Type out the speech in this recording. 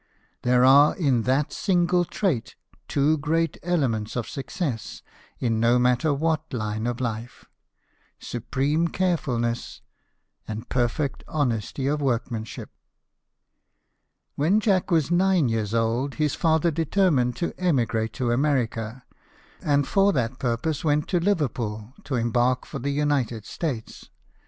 There are in that single trait two great elements of success in no matter what line of life supreme carefulness, and perfect honesty of workmanship. When Jack was nine years old, his father determined to emigrate to America, and for that purpose went to Liverpool to embark for the United States.